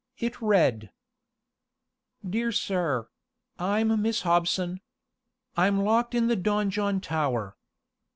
It read: DEAR SIR: I'm Miss Hobson. I'm locked in the donjon tower.